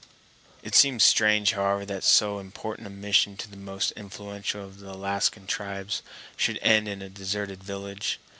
It seemed strange, however, that so important a mission to the most influential of the Alaskan tribes should end in a deserted village.